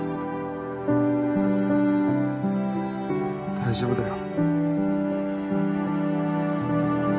大丈夫だよ。